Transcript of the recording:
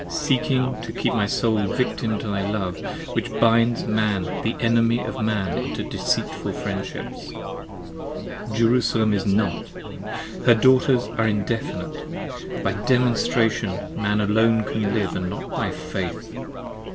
Seeking to keep my soul a victim to thy Love! which binds 25 Man the enemy of man into deceitful friendships: Jerusalem is not! her daughters are indefinite; By demonstration man alone can live, and not by faith.